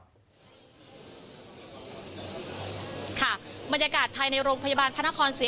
พูดสิทธิ์ข่าวธรรมดาทีวีรายงานสดจากโรงพยาบาลพระนครศรีอยุธยาครับ